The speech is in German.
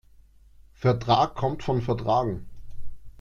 Vertrag kommt von vertragen.